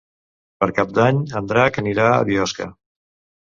Per Cap d'Any en Drac anirà a Biosca.